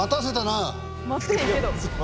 待ってへんけど。